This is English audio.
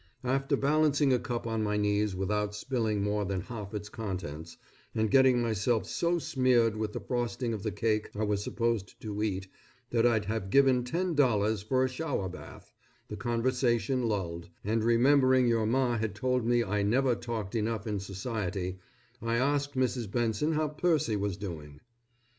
After balancing a cup on my knees without spilling more than half of its contents, and getting myself so smeared with the frosting of the cake I was supposed to eat that I'd have given ten dollars for a shower bath, the conversation lulled, and remembering your Ma had told me I never talked enough in society, I asked Mrs. Benson how Percy was doing.